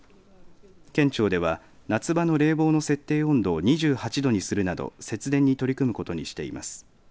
県庁では夏場の冷房の設定温度を２８度にするなど節電に取り組むことにしています。